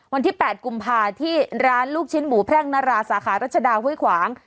วันที่๘กุมภาที่ร้านลูกชิ้นหมูแพร่งนาราสาขารัชดาห้วยขวาง